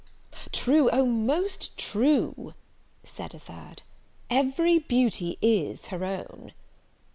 "True, oh most true," said a third, "every beauty is her own!"